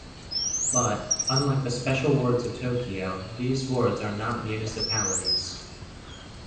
But, unlike the Special wards of Tokyo, these wards are not municipalities.